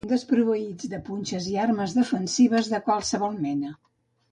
Desproveïts de punxes i armes defensives de qualsevol mena.